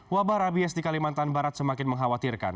wabah rabies di kalimantan barat semakin mengkhawatirkan